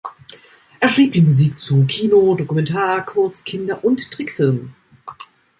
Er schrieb die Musik zu Kino-, Dokumentar-, Kurz-, Kinder- und Trickfilmen.